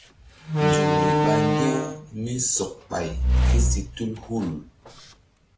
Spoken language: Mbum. Nzukri ɓa ŋgi̧-u mí sɔk ɓay ké si tul hul.